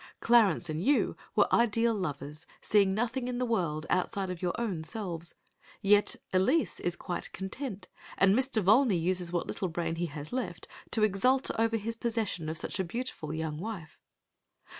Clarence and you were ideal lovers, seeing nothing in the world outside of your own selves. Yet Elise is quite contented, and Mr. Volney uses what little brain he has left to exult over his possession of such a beautiful young wife.